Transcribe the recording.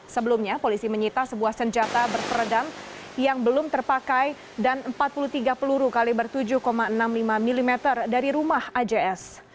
sebelumnya polisi menyita sebuah senjata berperedam yang belum terpakai dan empat puluh tiga peluru kaliber tujuh enam puluh lima mm dari rumah ajs